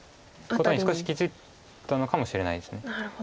少し気付いたのかもしれないです。